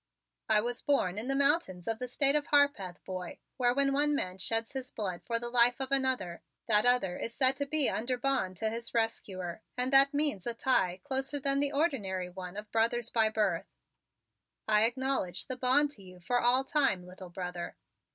"I was born in the mountains of the State of Harpeth, boy, where when one man sheds his blood for the life of another, that other is said to be under bond to his rescuer and that means a tie closer than the ordinary one of brother by birth. I acknowledge the bond to you for all time, little brother.